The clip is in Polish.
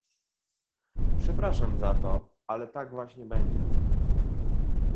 Przepraszam za to, ale tak właśnie będzie